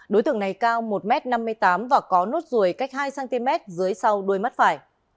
đối tượng này cao một m năm mươi tám và có nốt ruồi cách hai cm dưới sau đuôi mắt phải